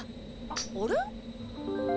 あれ？